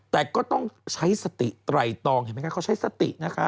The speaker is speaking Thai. แต่ก็ต้องใช้สติไตรตองเห็นไหมคะเขาใช้สตินะคะ